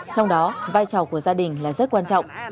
trong đó vai trò của gia đình là rất quan trọng